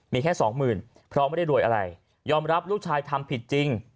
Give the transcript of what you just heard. มีแค่สองหมื่นเพราะไม่ได้รวยอะไรยอมรับลูกชายทำผิดจริง